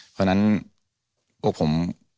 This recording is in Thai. เพราะฉะนั้นพวกผม